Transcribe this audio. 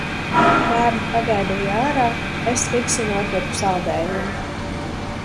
Bērni pagaidīja ārā, es fiksi nopirku saldējumu.